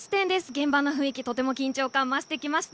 現場の雰囲気、とても緊張感が増してきました。